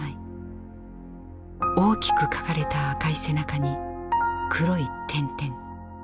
大きく描かれた赤い背中に黒い点々。